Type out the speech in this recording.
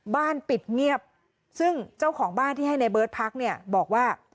บ้านปิดเงียบซึ่งเจ้าของบ้านที่ให้ในเบิร์ตพักเนี่ยบอกว่า